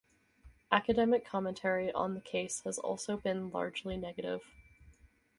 Academic commentary on the case has also been largely negative.